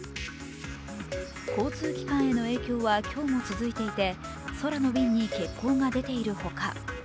交通機関への影響は今日も続いていて空の便に欠航が出ている他